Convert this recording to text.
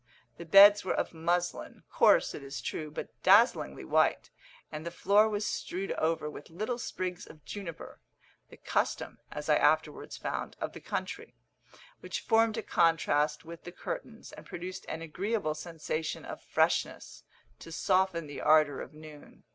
The beds were of muslin, coarse it is true, but dazzlingly white; and the floor was strewed over with little sprigs of juniper (the custom, as I afterwards found, of the country), which formed a contrast with the curtains, and produced an agreeable sensation of freshness, to soften the ardour of noon.